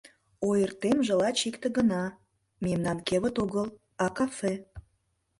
Ойыртемже лач икте гына: мемнан кевыт огыл, а кафе.